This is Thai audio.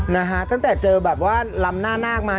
นะฮะตั้งแต่เจอแบบว่าลำหน้านาคมา